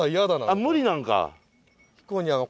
あっ無理なんか。